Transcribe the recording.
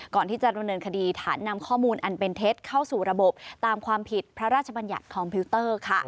ก่อนที่จะดำเนินคดีฐานนำข้อมูลอันเป็นเท็จเข้าสู่ระบบตามความผิดพระราชบัญญัติคอมพิวเตอร์ค่ะ